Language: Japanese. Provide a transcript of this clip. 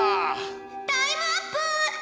タイムアップ！